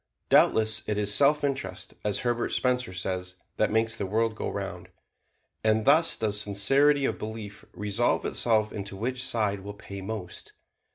Doubtless it is self interest, as Herbert Spencer says, that makes the world go round. And thus does sincerity of belief resolve itself into which side will pay most.